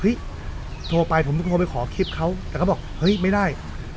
โทรไปผมโทรไปขอคลิปเขาแต่เขาบอกเฮ้ยไม่ได้